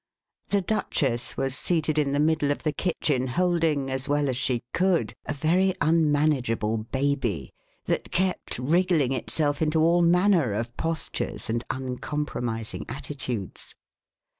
The Duchess was seated in the middle of the kitchen, holding, as well as she could, a very unmanageable baby that kept wriggling itself into all manner of postures and uncompromising attitudes.